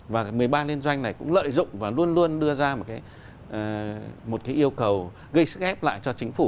và một mươi ba liên doanh này cũng lợi dụng và luôn luôn đưa ra một cái yêu cầu gây sức ép lại cho chính phủ